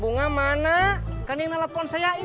bunga ibu sudah teleponin kang tisna buat nganterin aku